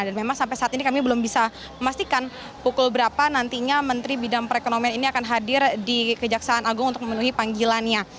dan memang sampai saat ini kami belum bisa memastikan pukul berapa nantinya menteri bidang perekonomian ini akan hadir di kejaksaan agung untuk memenuhi panggilannya